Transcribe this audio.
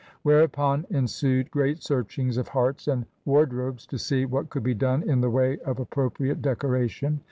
Whereupon ensued great searchings of hearts and wardrobes, to see what could be done in the way of appropriate decoration.